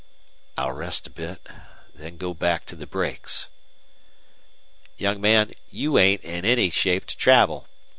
"I'll rest a bit then go back to the brakes." "Young man, you ain't in any shape to travel.